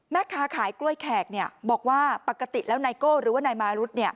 แม่ค้าขายกล้วยแขกบอกว่าปกติแล้วไนโก้หรือว่านายมารุธ